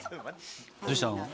どうしたの？